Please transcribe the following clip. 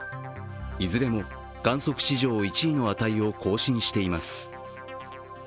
いずれも観測史上１位の値を更新しています。